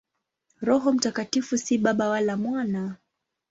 Roho Mtakatifu si Baba wala Mwana.